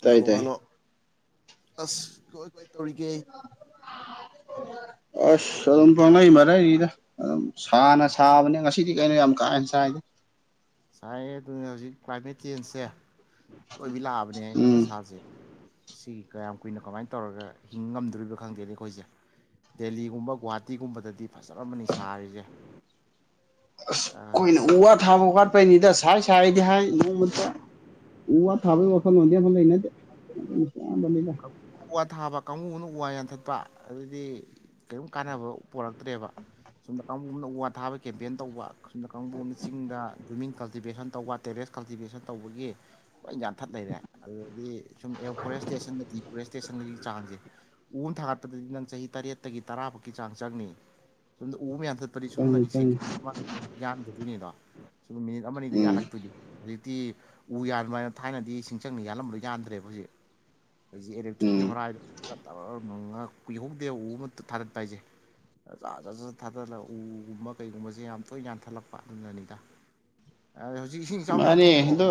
ꯇꯥꯏ ꯍꯜꯂꯣ ꯇꯥꯏ ꯍꯜꯂꯣ ꯑꯁ ꯀꯣꯏ ꯀꯣꯏ ꯇꯧꯔꯤꯒꯦ꯫ ꯑꯁ ꯑꯗꯨꯝ ꯄꯥꯡꯂꯩ ꯃꯔꯩꯔꯤꯗ꯫ ꯑꯗꯨꯝ ꯁꯥꯅ ꯁꯥꯕꯅꯦ ꯉꯁꯤꯗꯤ ꯀꯩꯅꯣ ꯌꯥꯝ ꯀꯥ ꯍꯦꯟꯅ ꯁꯥꯏꯗꯦ꯫ ꯁꯥꯏ ꯑꯗꯨꯅ ꯍꯧꯖꯤꯛ ꯀ꯭ꯂꯥꯏꯃꯦꯠ ꯆꯦꯟꯖꯁꯦ ꯑꯣꯏꯕꯤ ꯂꯥꯛꯑꯕꯅꯦ ꯑꯌꯪ ꯎꯝ ꯑꯁꯥꯁꯦ꯫ ꯁꯤ ꯀꯌꯥꯝ ꯀꯨꯏꯅ ꯀꯃꯥꯏꯅ ꯇꯧꯔꯒ ꯍꯤꯡ ꯉꯝꯗꯣꯔꯤꯕꯅ ꯈꯪꯗꯦꯅꯦ ꯑꯩꯈꯣꯏꯁꯦ꯫ ꯗꯦꯜꯂꯤꯒꯨꯝꯕ ꯒꯨꯍꯥꯇꯤꯒꯨꯝꯕꯗꯗꯤ ꯐꯖꯔꯃꯅꯤ ꯁꯥꯔꯤꯁꯦ꯫ ꯑꯁ ꯑꯩꯈꯣꯏꯅ ꯎ ꯋꯥ ꯊꯥꯕ ꯋꯥꯠꯄꯩꯅꯤꯗ ꯁꯥꯏ ꯁꯥꯏꯗꯤ ꯍꯥꯏ ꯅꯣꯡꯃꯇ꯫ ꯎ ꯋꯥ ꯊꯥꯕꯒꯤ ꯋꯈꯥꯜꯂꯣꯟꯗꯤ ꯑꯃꯇ ꯂꯩꯅꯗꯦ꯫ ꯑꯌꯥꯝꯕꯅꯤꯗ [unintelligible] ꯎ ꯋꯥ ꯊꯥꯕ ꯀꯥꯡꯕꯨ ꯑꯃꯅ ꯎ ꯋꯥ ꯌꯥꯟꯊꯠꯄ ꯑꯗꯨꯗꯤ ꯀꯩꯝ ꯀꯥꯟꯅꯕ ꯄꯣꯔꯛꯇ꯭ꯔꯦꯕ꯫ ꯁꯣꯝ ꯀꯥꯡꯒꯨ ꯑꯃꯅ ꯎ ꯋꯥ ꯊꯥꯕ ꯀꯦꯝꯄꯦꯟ ꯇꯧꯕ꯫ ꯑꯁꯨꯝꯗ ꯀꯥꯡꯕꯨꯅ ꯆꯤꯡꯗ ꯋꯤꯝꯃꯤꯡ ꯀꯜꯇꯤꯚꯦꯁꯟ ꯇꯧꯕ ꯇꯦꯔꯦꯁ ꯀꯜꯇꯤꯚꯦꯁꯟ ꯇꯧꯕꯒꯤ꯫ ꯂꯣꯏ ꯌꯥꯟꯊꯠ ꯂꯩꯔꯦ ꯑꯗꯨꯗꯤ ꯁꯨꯝ ꯑꯦꯌ ꯐꯣꯔꯦꯁꯇꯦꯁꯟꯗꯗꯤ꯫ ꯏꯁꯇꯦꯁꯟꯒꯤ ꯆꯥꯡꯁꯦ ꯎ ꯊꯥꯒꯠꯄꯗꯗꯤ ꯅꯪ ꯆꯍꯤ ꯇꯔꯦꯠꯇꯒꯤ ꯇꯔꯥ ꯐꯥꯎꯛꯒꯤ ꯆꯥꯡ ꯆꯪꯅꯤ꯫ [unintelligible] ꯑꯨ ꯑꯃ ꯌꯥꯟꯊꯠ꯫ ꯗꯤ ꯆꯪꯉꯤ ꯁꯣꯝꯅꯒꯤ ꯁꯀ ꯆꯪꯉꯤ ꯌꯥꯟꯈꯤꯗꯣꯏꯅꯤꯗꯣ ꯁ ꯃꯤꯅꯤꯠ ꯑꯃꯅꯤ ꯑꯗ ꯎꯝ ꯌꯥꯜꯂꯛꯇꯣꯏꯅꯤ꯫ ꯍꯧꯖꯤꯛꯇꯤ ꯎ ꯌꯥꯟꯕ ꯍꯥꯏꯅ ꯊꯥꯏꯅꯗꯤ ꯁꯤꯡꯆꯪꯅ ꯌꯥꯜꯂꯝꯕꯣ ꯌꯥꯟꯗ꯭ꯔꯦꯕ ꯍꯧꯖꯤꯛ꯫ ꯍꯧꯖꯤꯛ ꯏꯂꯦꯛꯇ꯭ꯔꯤꯛꯀꯤ ꯎꯝ ꯍꯣꯔꯥꯏꯗꯣ ꯄꯨ ꯀꯨꯍꯧꯗꯦ ꯎ ꯑꯃꯇ ꯊꯥꯗꯠꯄ ꯍꯥꯏꯁꯦ꯫ ꯖꯠ ꯖꯠꯖꯠ ꯊꯥꯗꯠꯂꯒ ꯎꯒꯨꯝꯕ ꯀꯩꯒꯨꯝꯕꯁꯦ ꯌꯥꯝ ꯇꯣꯏꯅ ꯌꯥꯟꯊꯠꯂꯛꯄ ꯑꯗꯨꯅꯅꯤꯗ꯫ ꯑ ꯍꯧꯖꯤꯛꯁꯤ ꯫ ꯃꯥꯅꯤ ꯑꯗꯣ꯫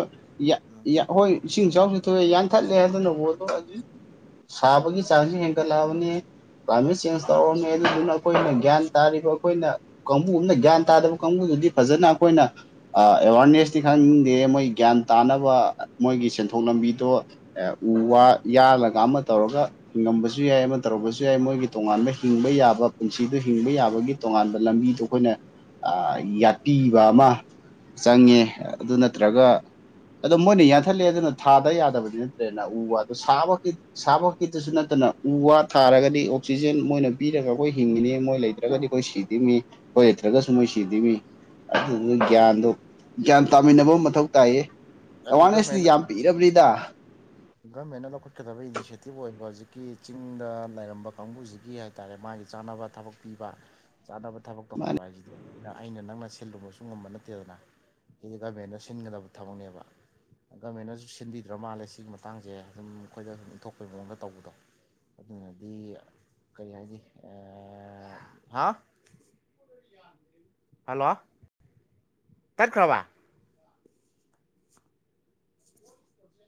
ꯍꯣꯏ ꯏꯁꯤꯡ ꯏꯆꯥꯎꯁꯨ ꯊꯣꯛꯑꯦ ꯌꯥꯟꯊꯠꯂꯦ ꯑꯗꯨꯅꯕꯣꯗꯣ ꯑꯗꯨ꯫ ꯁꯥꯕꯒꯤ ꯆꯥꯡꯁꯨ ꯍꯦꯟꯒꯠꯂꯛꯑꯕꯅꯤ꯫ ꯀ꯭ꯂꯥꯏꯃꯦꯠ ꯆꯦꯟꯖ ꯇꯧꯔꯔꯕꯅꯤ ꯑꯗꯨꯗꯨꯅ ꯑꯩꯈꯣꯏꯅ ꯒ꯭ꯌꯥꯟ ꯇꯥꯔꯤꯕ ꯑꯩꯈꯣꯏꯅ꯫ ꯀꯥꯡꯕꯨ ꯑꯃꯅ ꯒ꯭ꯌꯥꯟ ꯇꯥꯗꯕ ꯀꯥꯡꯕꯨꯗꯨꯗꯤ ꯐꯖꯅ ꯑꯩꯈꯣꯏꯅ ꯑꯦꯋꯥꯔꯅꯦꯁ꯫ ꯈꯪꯅꯤꯡꯗꯦ ꯃꯣꯏ ꯒ꯭ꯌꯥꯟ ꯇꯥꯅꯕ ꯃꯣꯏꯒꯤ ꯁꯦꯟꯊꯣꯛ ꯂꯝꯕꯤꯗꯣ꯫ ꯑꯦ ꯎ ꯋꯥ ꯌꯥꯜꯂꯒ ꯑꯃ ꯇꯧꯔꯒ꯫ ꯍꯤꯡꯉꯝꯕꯁꯨ ꯌꯥꯏ ꯑꯃ ꯇꯧꯔꯔꯕꯁꯨ ꯌꯥꯏ ꯃꯣꯏꯒꯤ ꯇꯣꯉꯥꯟꯕ ꯍꯤꯡꯕ ꯌꯥꯕ ꯄꯨꯟꯁꯤꯗ ꯍꯤꯡꯕ ꯌꯥꯕꯒꯤ꯫ ꯇꯣꯉꯥꯟꯕ ꯂꯝꯕꯤꯗꯣ ꯑꯩꯈꯣꯏꯅ ꯌꯥꯠꯄꯤꯕ ꯑꯃ ꯆꯪꯉꯦ꯫ ꯑꯗꯨ ꯅꯠꯇ꯭ꯔꯒ꯫ ꯑꯗꯣ ꯃꯣꯏꯅ ꯌꯥꯟꯊꯠꯂꯦ ꯑꯗꯨꯅ ꯊꯥꯗ ꯌꯥꯗꯕꯗꯤ ꯅꯠꯇ꯭ꯔꯦꯅ ꯎ ꯋꯥꯗ ꯁꯥꯕ ꯈꯛꯀꯤ꯫ ꯁꯥꯕꯀꯤꯗꯁꯨ ꯅꯠꯇꯅ ꯎ ꯋꯥ ꯊꯥꯔꯒꯗꯤ ꯑꯣꯛꯁꯤꯖꯦꯟ ꯃꯣꯏꯅ ꯄꯤꯔꯒ ꯑꯩꯈꯣꯏ ꯍꯤꯡꯉꯤꯅꯦ ꯃꯣꯏ ꯂꯩꯇ꯭ꯔꯒꯗꯤ꯫ ꯑꯩꯈꯣꯏ ꯁꯤꯗꯤꯃꯤ ꯑꯩꯈꯣꯏ ꯂꯩꯇ꯭ꯔꯒꯁꯨ ꯃꯣꯏ ꯁꯤꯗꯤꯃꯤ ꯑꯗꯨꯅ ꯒ꯭ꯌꯥꯟꯗꯣ꯫ ꯒ꯭ꯌꯥꯟ ꯇꯥꯃꯤꯟꯅꯕ ꯃꯊꯧ ꯇꯥꯏꯌꯦ ꯑꯗꯨ ꯑꯦꯋꯥꯔꯅꯦꯁꯇꯤ ꯒꯃꯦꯟꯅ ꯌꯥꯝ ꯄꯤꯔꯕꯅꯤꯗ꯫ ꯒꯃꯦꯟꯅ ꯂꯧꯈꯠꯀꯗꯕ ꯏꯅꯤꯁꯦꯇꯤꯞ ꯑꯣꯏꯕ ꯍꯧꯖꯤꯛꯀꯤ ꯆꯤꯡꯗ ꯂꯩꯔꯝꯕ ꯀꯥꯡꯕꯨꯁꯤꯒꯤ꯫ ꯍꯥꯏꯇꯥꯔꯦ ꯃꯥꯒꯤ ꯆꯥꯅꯕ ꯊꯕꯛ ꯄꯤꯕ ꯆꯥꯅꯕ ꯊꯕꯛ ꯃꯥꯅꯤ ꯇꯧꯍꯟꯕ ꯍꯥꯏꯁꯤꯗꯤ꯫ ꯑꯩꯅ ꯅꯪꯅ ꯁꯤꯜꯂꯨꯕꯁꯨ ꯉꯝꯕ ꯅꯠꯇꯦꯗꯅ ꯁꯤꯗꯤ ꯒꯃꯦꯟꯟꯅ ꯁꯤꯟꯒꯗꯕ ꯊꯕꯛꯅꯦꯕ꯫ ꯒꯃꯦꯟꯅꯁꯨ ꯁꯤꯟꯕꯤꯗ꯭ꯔ ꯃꯥꯜꯂꯦ ꯁꯤꯒꯤ ꯃꯇꯥꯡꯁꯦ ꯑꯗꯨꯝ ꯑꯩꯈꯣꯏꯗ ꯁꯨꯝ ꯏꯟꯊꯣꯛꯄꯩ ꯃꯑꯣꯡꯗ ꯇꯧꯕꯗꯣ꯫ ꯑꯗꯨꯅꯗꯤ ꯀꯔꯤ ꯍꯥꯏꯅꯤ ꯍꯥ꯫ ꯍꯜꯂꯣ ꯇꯔꯈ꯭ꯔꯕ꯫ ꯎꯝ꯫